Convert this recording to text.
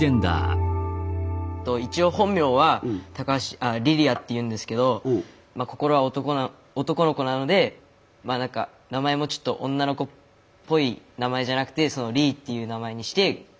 一応本名は利里愛っていうんですけど心は男の子なので何か名前もちょっと女の子っぽい名前じゃなくてＬｅｅっていう名前にして。